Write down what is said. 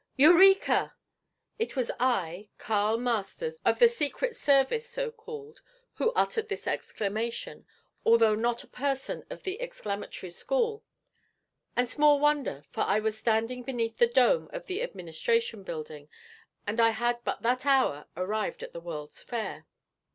'Eureka!' It was I, Carl Masters, of the secret service, so called, who uttered this exclamation, although not a person of the exclamatory school; and small wonder, for I was standing beneath the dome of the Administration Building, and I had but that hour arrived at the World's Fair.